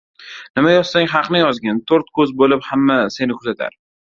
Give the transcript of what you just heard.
Nima yozsang haqni yozgin, to‘rt ko‘z bo‘lib hamma seni kuzatar.